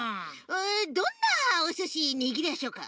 どんなおすしにぎりやしょうか？